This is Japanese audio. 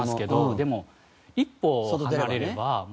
でも一歩離れればもう。